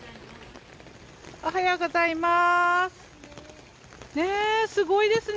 おはようございます。